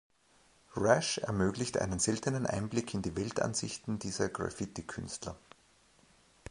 „Rash“ ermöglicht einen seltenen Einblick in die Weltansichten dieser Graffiti-Künstler.